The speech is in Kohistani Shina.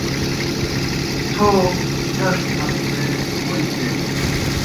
تھو چݜ پھت تھے ووئی پِیائے۔